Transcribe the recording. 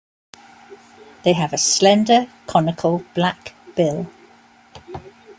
They have a slender conical black bill.